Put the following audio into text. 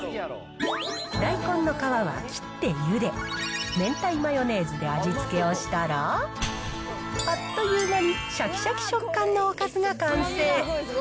大根の皮は切ってゆで、明太マヨネーズで味付けをしたら、あっという間にしゃきしゃき食感のおかずが完成。